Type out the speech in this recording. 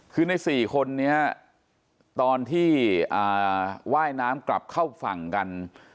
คือใน๔คนนี้ตอนที่ว่ายน้ำกลับเข้าฝั่งกัน